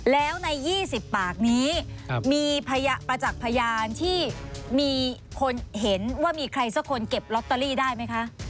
แล้วใน๒๐ปากนี้มีประจักษ์พยานที่มีคนเห็นว่ามีใครสักคนเก็บลอตเตอรี่ได้ไหมคะ